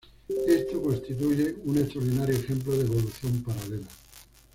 Esto constituye un extraordinario ejemplo de evolución paralela.